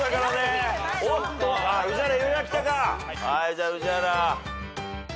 じゃ宇治原。